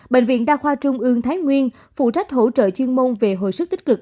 bệnh viện đa khoa trung ương thái nguyên phụ trách hỗ trợ chuyên môn về hồi sức tích cực